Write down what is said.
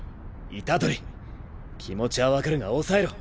虎杖気持ちは分かるが抑えろ。